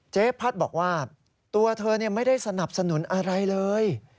เจ๊พัดบอกว่าตัวเธอไม่ได้สนับสนุนอะไรเลย